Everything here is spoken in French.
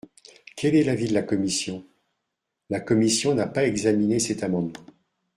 Quel est l’avis de la commission ? La commission n’a pas examiné cet amendement.